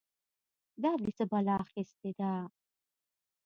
دا دې څه بلا اخيستې ده؟!